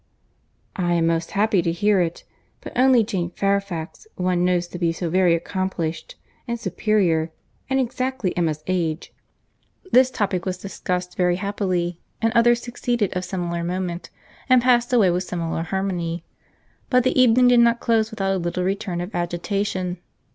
"I am most happy to hear it—but only Jane Fairfax one knows to be so very accomplished and superior!—and exactly Emma's age." This topic was discussed very happily, and others succeeded of similar moment, and passed away with similar harmony; but the evening did not close without a little return of agitation.